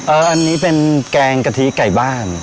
อันนี้เป็นแกงกะทิไก่บ้าน